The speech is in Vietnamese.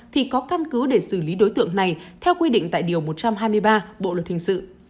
thì có căn cứ để xử lý đối tượng này theo quy định tại điều một trăm hai mươi ba bộ luật hình sự